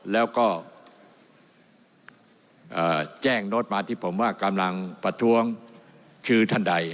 แล้วก็แจ้งโน้ตมาที่ผมว่ากำลังประท้วงชื่อท่านใด